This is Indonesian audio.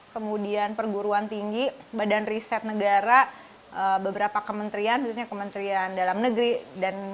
kemudian perguruan tinggi badan riset negara beberapa kementerian khususnya kementerian dalam negeri dan